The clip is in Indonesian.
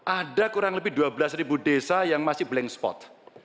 ada kurang lebih dua belas desa yang masih blank spot